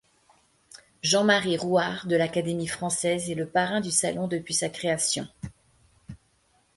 Jean-Marie Rouart de l'Académie française est le parrain du salon depuis sa création.